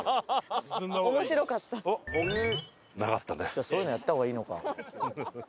じゃあそういうのやった方がいいのか。